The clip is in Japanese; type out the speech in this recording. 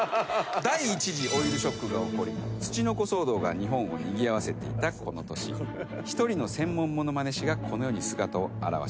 第一次オイルショックが起こりツチノコ騒動が日本をにぎわせていたこの年１人の専門ものまね師がこの世に姿を現しました。